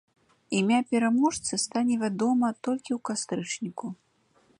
Імя пераможцы стане вядома толькі ў кастрычніку.